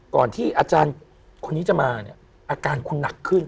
ก่อนที่อาจารย์คนนี้จะมาเนี่ยอาการคุณหนักขึ้น